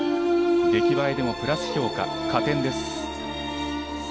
出来栄えでもプラス評価、加点です。